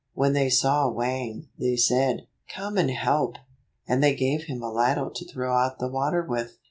When they saw Wang, they said, "Come and help," and they gave him a ladle to throw out the water with.